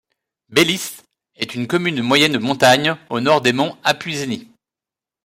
Beliș est une commune de moyenne montagne, au nord des monts Apuseni.